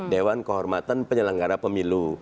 dewan kehormatan penyelenggara pemilu